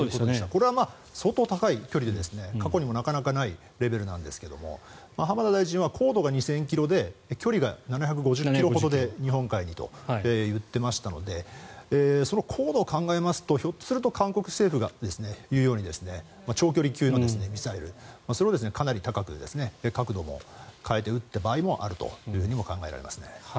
これは相当高い距離で過去にもなかなかないレベルですが浜田大臣は高度が２０００ｋｍで距離が７５０ｋｍほどで日本海にと言ってましたのでその高度を考えますとひょっとすると韓国政府が言うように長距離級のミサイルそれをかなり高く角度も変えて撃った場合もあると考えられますね。